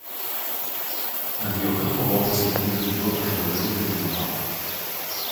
Ant jo kapo buvo pasodinti du ąžuolai ir liepa.